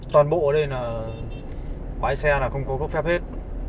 toàn bộ ở đây là bãi xe là không có cấp phép hết